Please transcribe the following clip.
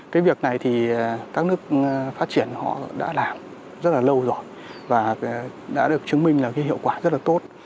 cái việc này thì các nước phát triển họ đã làm rất là lâu rồi và đã được chứng minh là cái hiệu quả rất là tốt